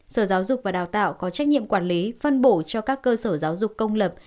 sở giáo dục và đào tạo có trách nhiệm quản lý phân bổ cho các cơ sở giáo dục công lập